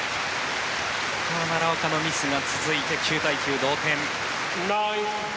ここは奈良岡のミスが続いて９対９、同点。